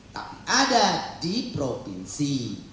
tapi ada di provinsi